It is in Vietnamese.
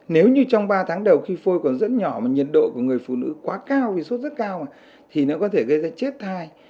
nếu như trong ba tháng đầu khi phôi còn dẫn nhỏ mà nhiệt độ của người phụ nữ quá cao vì sốt rất cao mà thì nó có thể gây ra chết thai